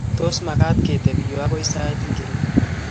Tos, magaat ketebii yu agoy sait ngiro?